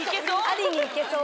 ありにいけそう。